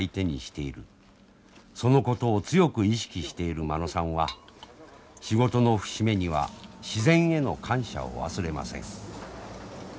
そのことを強く意識している間野さんは仕事の節目には自然への感謝を忘れません。